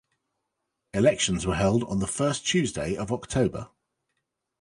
Elections were held the first Tuesday of October.